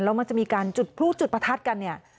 แล้วมันจะมีการจุดพลุจุดประทัดกันเนี่ย